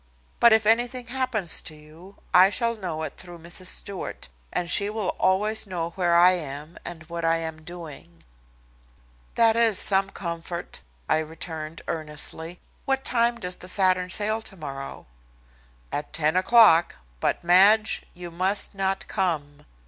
But if anything happens to you I shall know it through Mrs. Stewart, and she will always know where I am and what I am doing." "That is some comfort," I returned earnestly. "What time does the Saturn sail tomorrow?" "At 10 o'clock. But, Madge, you must not come."